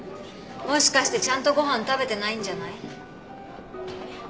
もしかしてちゃんとご飯食べてないんじゃない？えっ？